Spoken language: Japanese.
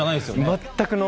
全く。